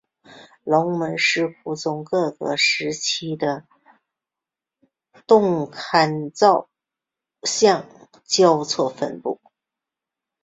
龙门石窟中各个时期的窟龛造像交错分布。